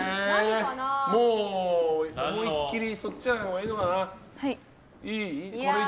もう思いっきりのほうがいいのかな。